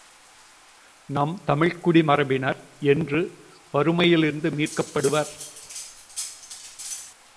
நமது தமிழ்க்குடி மரபினர் என்று வறுமையிலிருந்து மீட்டெடுக்கப்படுவர்?